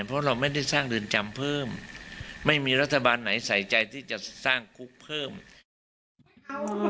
เพราะเราไม่ได้สร้างเรือนจำเพิ่มไม่มีรัฐบาลไหนใส่ใจที่จะสร้างคุกเพิ่ม